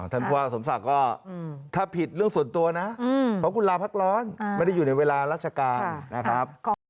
ถ้าผิดเรื่องส่วนตัวนะขอบคุณลาพักร้อนไม่ได้อยู่ในเวลาราชการนะครับ